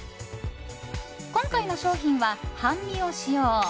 今回の商品は、半身を使用。